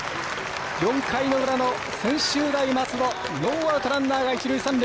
４回の裏の専修大松戸ノーアウトランナーが一塁、三塁。